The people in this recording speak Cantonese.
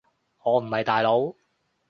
我唔係大佬